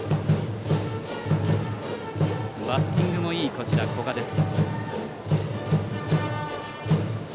バッティングもいい古賀です。